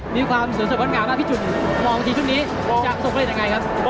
มีความสื่อสะกดงามมากพี่จุดมองจากชุดนี้จะประสบกันได้ยังไงครับ